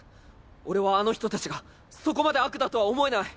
俺はあの人たちがそこまで悪だとは思えない。